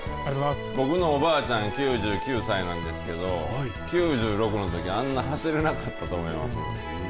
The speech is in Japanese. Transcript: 僕のおばあちゃん９９歳なんですけど９６のときあんな走れなかったと思います。